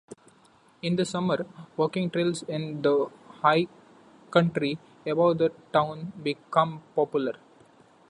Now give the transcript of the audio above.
In the summer, walking trails in the high country above the town become popular.